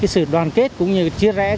sự đoàn kết cũng như chia rẽ